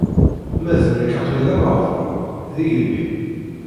Ma d nekk, aql-i d ameɣbun, d igellil.